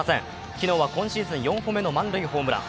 昨日は今シーズン４個目の満塁ホームラン。